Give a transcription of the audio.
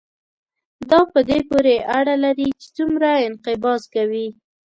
دا په دې پورې اړه لري چې څومره انقباض کوي.